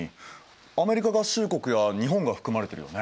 アメリカ合衆国や日本が含まれてるよね。